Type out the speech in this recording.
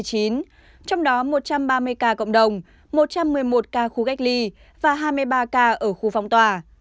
trong đó một trăm ba mươi ca cộng đồng một trăm một mươi một ca khu gách ly và hai mươi ba ca ở khu phóng tòa